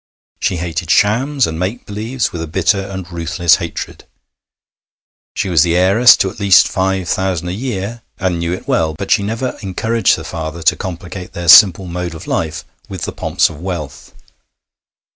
She hated shams and make believes with a bitter and ruthless hatred. She was the heiress to at least five thousand a year, and knew it well, but she never encouraged her father to complicate their simple mode of life with the pomps of wealth.